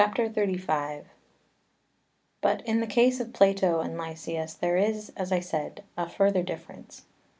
] XXXV But in the case of Plato and Lysias there is, as I said, a further difference.